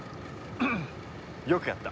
よくやった。